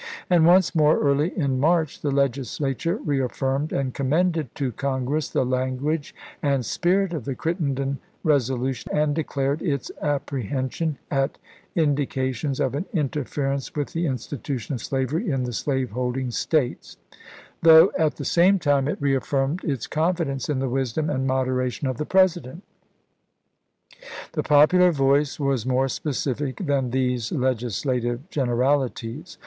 And once more, early in March, the Legislature reaffirmed and commended to Con gress the language and spirit of the Crittenden resolution, and declared its apprehension at indica tions " of an interference with the institution of slavery in the slaveholding States "; though at the same time it reaffirmed its confidence in the wisdom Ibid., p. 461. and moderation of the President. The popular voice was more specific than these legislative generalities.